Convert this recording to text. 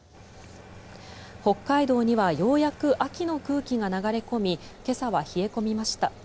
北海道にはようやく秋の空気が流れ込み今朝は冷え込みました。